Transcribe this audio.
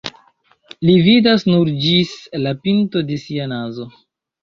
Li vidas nur ĝis la pinto de sia nazo.